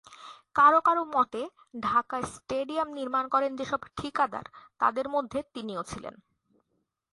কারো কারো মতে, ঢাকা স্টেডিয়াম নির্মাণ করেন যেসব ঠিকাদার, তাদের মধ্যে তিনিও ছিলেন।